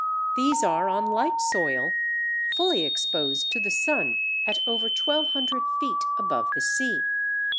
These are on light soil, fully exposed to the sun, at over 1200 feet above the sea.